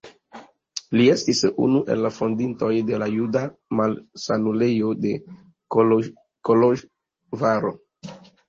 Li estis unu el fondintoj de la Juda Malsanulejo de Koloĵvaro.